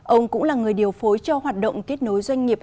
ông cũng là người điều phối cho hoạt động kết nối doanh nghiệp